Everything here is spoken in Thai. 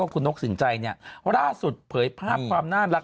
คุณนกสินใจเนี่ยล่าสุดเผยภาพความน่ารัก